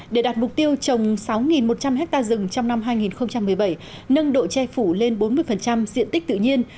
để đạt mục tiêu trồng sáu một trăm linh hectare rừng trong năm hai nghìn một mươi bảy nâng độ che phủ lên bốn mươi diện tích tự nhiên